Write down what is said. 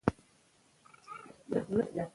د ملالۍ قبر به جوړ سي.